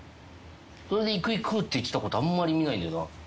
それで行く行くって言ってたことあんまり見ないんだよな。